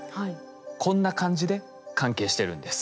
こんな感じで関係してるんです。